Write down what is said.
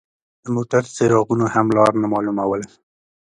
د موټر څراغونو هم لار نه مالوموله.